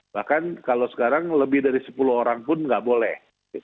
bahkan kalau sekarang lebih dari sepuluh orang pun nggak boleh